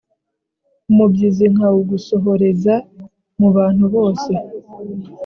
Umubyizi nkawugusohoreza mu bantu bose